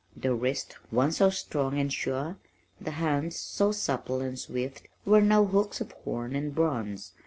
The wrist, once so strong and sure, the hands so supple and swift were now hooks of horn and bronze.